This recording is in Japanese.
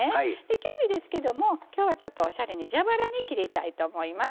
きゅうりですけどもきょうは、ちょっとおしゃれに蛇腹に切りたいと思います。